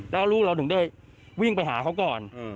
แล้วลูกเราถึงได้วิ่งไปหาเขาก่อน